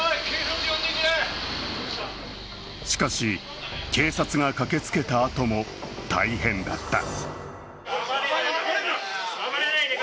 しかし、警察が駆けつけたあとも大変だった。